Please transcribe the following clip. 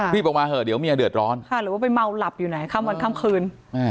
พี่บอกมาเถอะเดี๋ยวเมียเดือดร้อนหรือว่าไปเมาหลับอยู่ไหนข้ามวันข้ามคืน